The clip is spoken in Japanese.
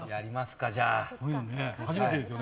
初めてですよね。